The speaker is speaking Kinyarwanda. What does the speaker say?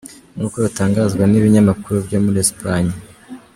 Nkuko bitangazwa nibinyamakuru byo muri Esipanye.